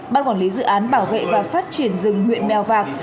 ban quản lý dự án bảo vệ và phát triển rừng huyện mèo vạc